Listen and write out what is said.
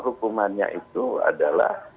hukumannya itu adalah